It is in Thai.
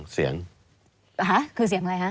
คือเสียงอะไรฮะ